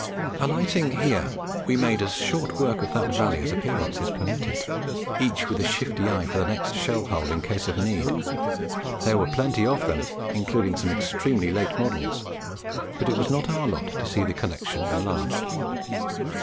Alighting here we made as short work of that valley as appearances permitted, each with a shifty eye for the next shell hole in case of need; there were plenty of them, including some extremely late models, but it was not our lot to see the collection enlarged.